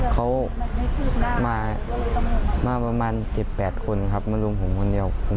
เขามาประมาณ๗๘คนครับมารุมผมคนเดียว